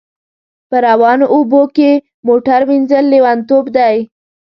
په روانو اوبو کښی موټر وینځل لیونتوب دی